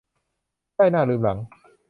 ได้หน้าลืมหลัง